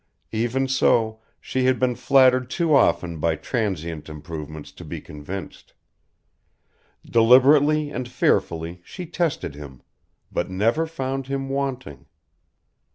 Even so she had been flattered too often by transient improvements to be convinced. Deliberately and fearfully she tested him, but never found him wanting.